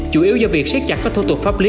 chủ yếu do việc xét chặt các thô tục pháp lý